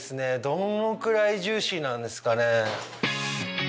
どのくらいジューシーなんですかね。